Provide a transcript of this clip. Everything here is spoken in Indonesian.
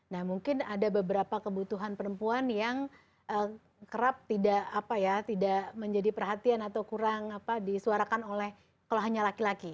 nah mungkin ada beberapa kebutuhan perempuan yang kerap tidak menjadi perhatian atau kurang apa disuarakan oleh kalau hanya laki laki